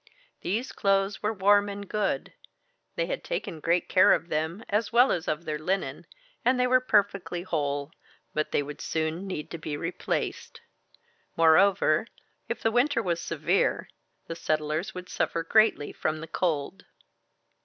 These clothes were warm and good; they had taken great care of them as well as of their linen, and they were perfectly whole, but they would soon need to be replaced. Moreover, if the winter was severe, the settlers would suffer greatly from cold.